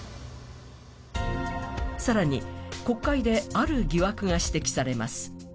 更に、国会である疑惑が指摘されます。